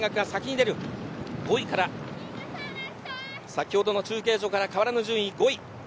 ５位から先ほどの中継所から変わらぬ順位です。